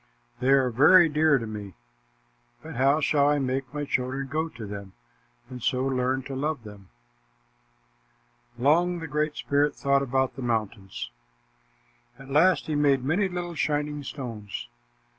They are very dear to me, but how shall I make my children go to them and so learn to love them?" Long the Great Spirit thought about the mountains. At last, he made many little shining stones.